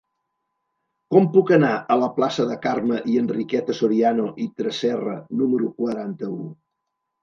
Com puc anar a la plaça de Carme i Enriqueta Soriano i Tresserra número quaranta-u?